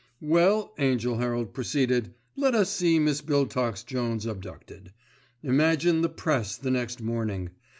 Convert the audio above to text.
"Well," Angell Herald proceeded. "Let us see Miss Biltox Jones abducted. Imagine the Press the next morning.